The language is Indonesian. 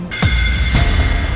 tidak mungkin ada kesalahan